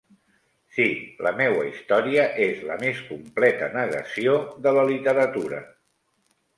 Sí, la meua història és la més completa negació de la literatura.